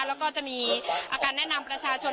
แล้วก็จะมีอาการแนะนำประชาชน